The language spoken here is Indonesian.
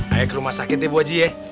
ayo ke rumah sakit deh buah haji ya